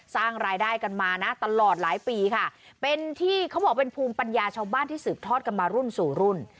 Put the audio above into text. สร้างรายได้กันมานะตลอดหลายปีค่ะเป็นที่เขาบอกเป็นภูมิปัญญาชาวบ้านที่สืบทอดกันมารุ่นสู่รุ่น